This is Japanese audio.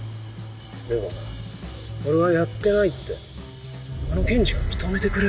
でもな俺はやってないってあの検事が認めてくれたんだよ。